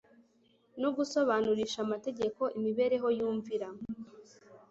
no gusobanurisha amategeko imibereho yumvira.